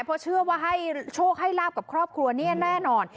เพราะเชื่อว่าให้โชคให้ลาบกับครอบครัวเนี่ยแน่นอน